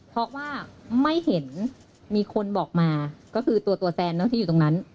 เพราะว่าไม่เห็นมีคนบอกมาก็คือตัวแซนที่อยู่ตรงนั้น